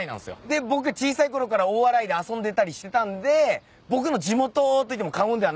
で僕小さいころから大洗で遊んでたりしてたんで僕の地元と言っても過言ではないんすよね。